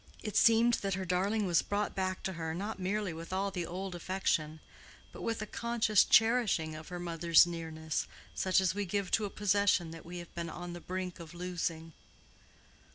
It seemed that her darling was brought back to her not merely with all the old affection, but with a conscious cherishing of her mother's nearness, such as we give to a possession that we have been on the brink of losing.